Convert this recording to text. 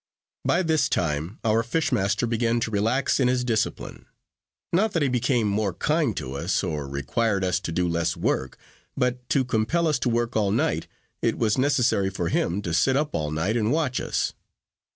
By this time our fish master began to relax in his discipline; not that he became more kind to us, or required us to do less work, but to compel us to work all night, it was necessary for him to sit up all night and watch us.